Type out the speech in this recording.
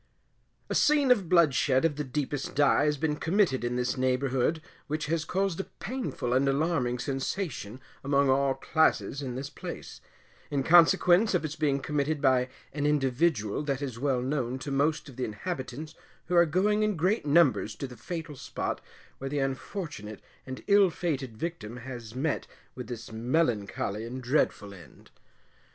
A scene of bloodshed of the deepest dye has been committed in this neighbourhood, which has caused a painful and alarming sensation among all classes in this place, in consequence of its being committed by an individual that is well known to most of the inhabitants who are going in great numbers to the fatal spot where the unfortunate and ill fated victim has met with this melancholy and dreadful end.